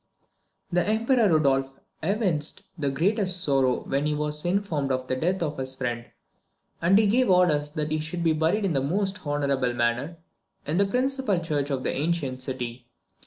The Emperor Rudolph evinced the greatest sorrow when he was informed of the death of his friend, and he gave orders that he should be buried in the most honourable manner, in the principal church of the ancient city.